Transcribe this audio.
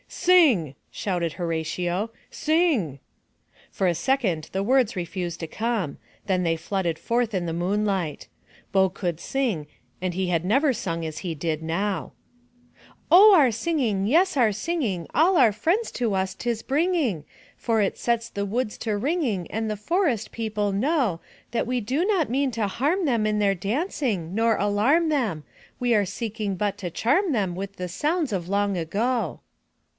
"Sing!" shouted Horatio; Sing!" For a second the words refused to come. Then they flooded forth in the moonlight. Bo could sing, and he had never sung as he did now. 128 THROUGH FAIRY HALLS muL^\ i^ m^ m "Oh, our singing, yes our singing, all our friends to us 'tis bringing. For it sets the woods to ringing, and the forest people know That we do not mean to harm them in their dancing, nor alarm them — We are seeking but to charm them with the sounds of long ago.